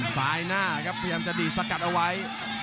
ซ้ายหน้าครับพยายามจะดีดสกัดเอาไว้